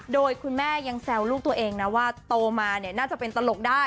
โดยคุณแม่ยังแซวลูกตัวเองนะว่าโตมาเนี่ยน่าจะเป็นตลกได้